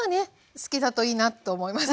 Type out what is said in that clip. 好きだといいなと思います。